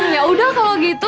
ya udah kalau gitu